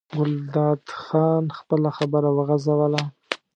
ګلداد خان خپله خبره وغځوله.